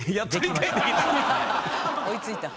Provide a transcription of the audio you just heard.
追いついた。